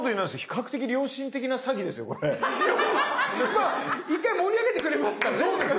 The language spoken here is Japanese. まあ１回盛り上げてくれますからね。